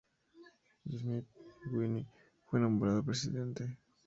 J S Smith-Winby fue nombrado presidente.